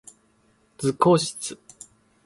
図工室